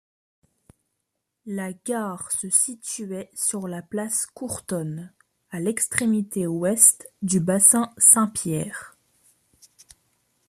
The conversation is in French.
La gare se situait sur la place Courtonne, à l'extrémité Ouest du bassin Saint-Pierre.